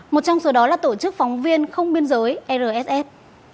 một trong số đó là tổ chức phóng viên không biên giới rsf